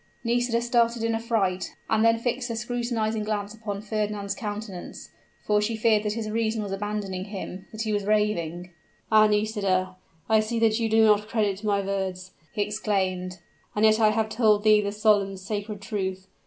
Nisida started in affright, and then fixed a scrutinizing glance upon Fernand's countenance; for she feared that his reason was abandoning him that he was raving. "Ah! Nisida, I see that you do not credit my words," he exclaimed; "and yet I have told thee the solemn, sacred truth.